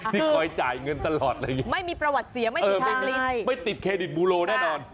ที่คอยจ่ายเงินตลอดเลยไม่มีประวัติเสียไม่มีไม่ติดเครดิตบูโรแน่นอน